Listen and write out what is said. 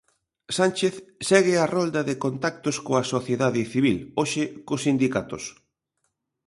Sánchez segue a rolda de contactos coa sociedade civil, hoxe cos sindicatos.